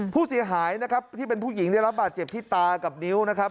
ผู้เสียหายนะครับที่เป็นผู้หญิงได้รับบาดเจ็บที่ตากับนิ้วนะครับ